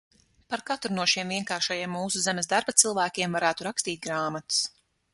Par katru no šiem vienkāršajiem mūsu zemes darba cilvēkiem varētu rakstīt grāmatas.